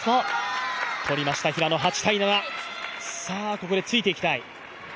ここでついていきたい。